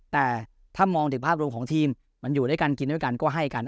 แต่ถ้ามองถึงภาพรวมของทีมมันอยู่ด้วยกันกินด้วยกันก็ให้กัน